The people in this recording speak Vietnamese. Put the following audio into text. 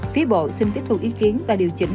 phía bộ xin tiếp tục ý kiến và điều chỉnh